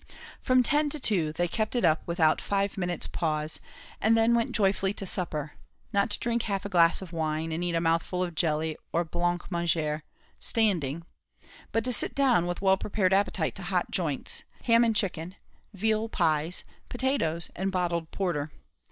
From ten to two they kept it up without five minutes' pause, and then went joyfully to supper not to drink half a glass of wine, and eat a mouthful of jelly or blanc manger standing but to sit down with well prepared appetite to hot joints ham and chicken, veal pies, potatoes, and bottled porter.